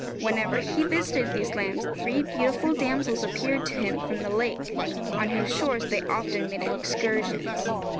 Whenever he visited these lambs three beautiful damsels appeared to him from the lake, on whose shores they often made excursions.